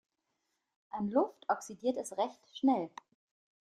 An Luft oxidiert es recht schnell.